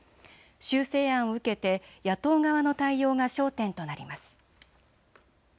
修正案を受けて野党側の対応が焦点となります。